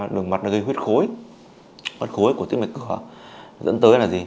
đường mật gây huyết khối huyết khối của tí mạch cửa dẫn tới là gì